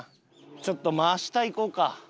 ちょっと真下行こうか。